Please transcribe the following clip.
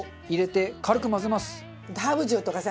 ハーブ塩とかさ